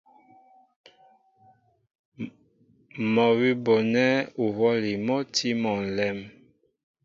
Mɔ́ awʉ́ a bonɛ uhwɔ́li mɔ́ a tí mɔ ǹlɛm.